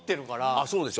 あっそうでしょ？